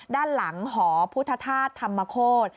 ด้านหลังหอพุทธธาตุธรรมโคตร